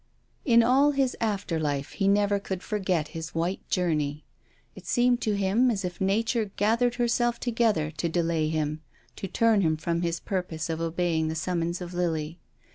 In all his after life he never could forget his white journey. It seemed to him as if nature gathered herself together to delay him, to turn him from his purpose of obeying the summons of Lily.